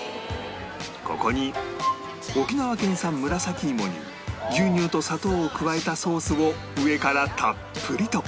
ここに沖縄県産紫いもに牛乳と砂糖を加えたソースを上からたっぷりと